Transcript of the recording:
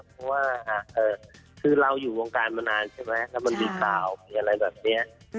เพราะว่าคือเราอยู่วงการมานานใช่ไหมแล้วมันมีข่าวมีอะไรแบบนี้